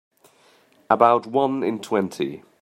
About one in twenty.